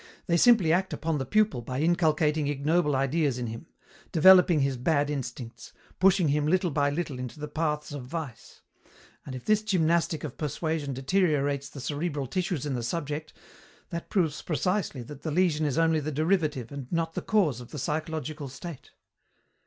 They simply act upon the pupil by inculcating ignoble ideas in him, developing his bad instincts, pushing him little by little into the paths of vice; and if this gymnastic of persuasion deteriorates the cerebral tissues in the subject, that proves precisely that the lesion is only the derivative and not the cause of the psychological state.